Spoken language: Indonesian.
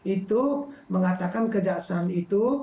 itu mengatakan kejaksaan itu